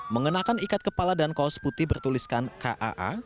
mengenakan ikat kepala dan kaos putih bertuliskan kaa